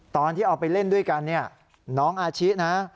ตอนที่เอาไปเล่นด้วยกันเนี่ยน้องอาชินะ